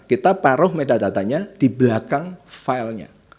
kita paruh metadata nya di belakang filenya